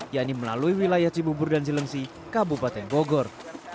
yakni melalui wilayah cibubur dan jelengsi kabupaten bogor